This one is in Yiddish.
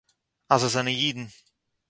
אַז זיי זענען אידן